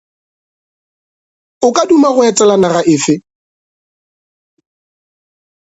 O ka duma go etela naga efe?